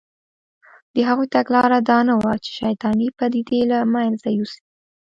د هغوی تګلاره دا نه وه چې شیطانې پدیدې له منځه یوسي